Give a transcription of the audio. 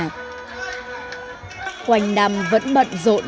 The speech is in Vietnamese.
khoành đam vẫn bận rộn